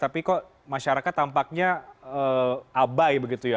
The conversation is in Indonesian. tapi kok masyarakat tampaknya abai begitu ya